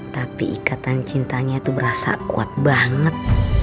tapi ikatan cintanya itu berasa kuat banget